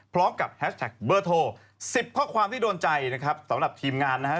พร้อมกับแฮชแท็กเบอร์โทร๑๐ข้อความที่โดนใจนะครับสำหรับทีมงานนะฮะ